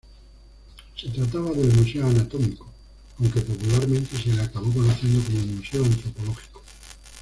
Se trataba del "Museo Anatómico", aunque popularmente se le acabó conociendo como Museo Antropológico.